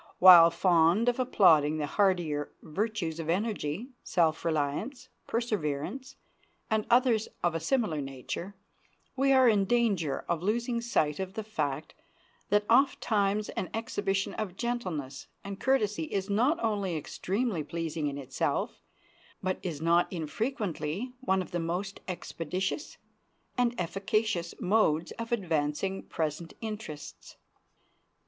While fond of applauding the hardier virtues of energy, self reliance, perseverance, and others of a similar nature, we are in danger of losing sight of the fact that ofttimes an exhibition of gentleness and courtesy is not only extremely pleasing in itself, but is not infrequently one of the most expeditious and efficacious modes of advancing present interests.